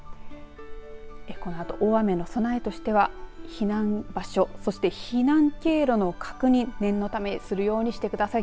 このあと、大雨の備えとしては避難場所そして避難経路の確認を念のためするようにしてください。